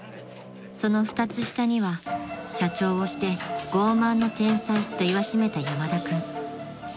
［その２つ下には社長をして「傲慢の天才」といわしめた山田君］